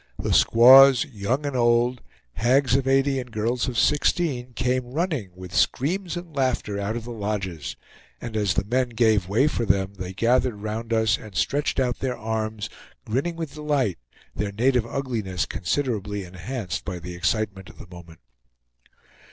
The squaws, young and old, hags of eighty and girls of sixteen, came running with screams and laughter out of the lodges; and as the men gave way for them they gathered round us and stretched out their arms, grinning with delight, their native ugliness considerably enhanced by the excitement of the moment.